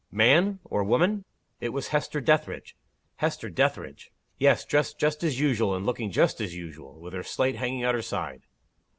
"Man? or woman?" "It was Hester Dethridge." "Hester Dethridge!" "Yes. Dressed just as usual, and looking just as usual with her slate hanging at her side."